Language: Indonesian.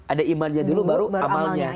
ada imannya dulu baru amalnya